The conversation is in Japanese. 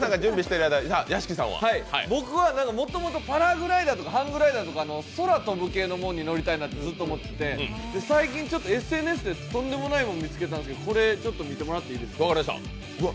僕はもともとパラグライダーとかハングライダーとか空飛ぶ系のものに乗りたいなと思ってて、最近ＳＮＳでとんでもないもん見つけたんですけど、これ見てもらっていいですか？